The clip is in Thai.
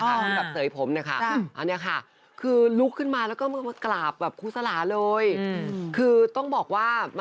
ตลอดที่ผ่านมา๗๘ปีลำเพลินไม่เคยรู้เลยว่า